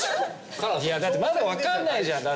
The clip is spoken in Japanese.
いやだってまだ分かんないじゃんだ